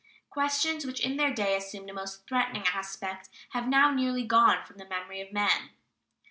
Questions which in their day assumed a most threatening aspect have now nearly gone from the memory of men.